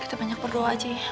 kita banyak berdoa haji